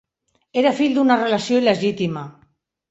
Era fill d'una relació il·legítima.